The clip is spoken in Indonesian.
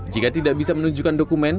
jika tidak bisa menunjukkan dokumen